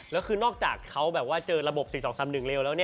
แล้วคือนอกจากเขาแบบว่าเจอระบบ๔๒๓๑เร็วแล้ว